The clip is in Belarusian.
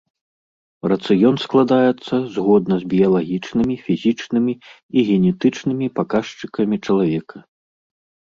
Рацыён складаецца згодна з біялагічнымі, фізічнымі і генетычнымі паказчыкамі чалавека.